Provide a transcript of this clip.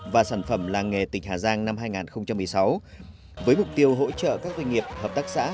và sản phẩm làng nghề tỉnh hà giang năm hai nghìn một mươi sáu với mục tiêu hỗ trợ các doanh nghiệp hợp tác xã